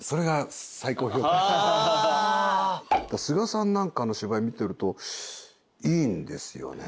菅田さんなんかの芝居見てるといいんですよね。